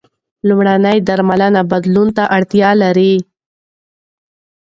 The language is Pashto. لومړنۍ درملنه بدلون ته اړتیا لري.